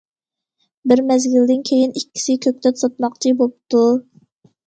بىر مەزگىلدىن كېيىن ئىككىسى كۆكتات ساتماقچى بوپتۇ.